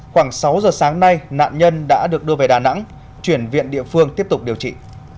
khoảng sáu giờ sáng nay nạn nhân đã được đưa về đà nẵng chuyển viện địa phương tiếp tục điều trị